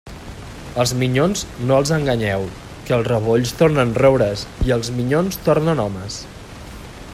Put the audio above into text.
Els minyons, no els enganyeu, que els rebolls tornen roures i els minyons tornen homes.